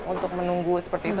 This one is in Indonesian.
untuk menunggu seperti itu